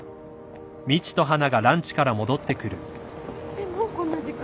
えっもうこんな時間。